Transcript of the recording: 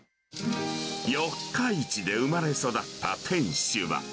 四日市で生まれ育った店主は。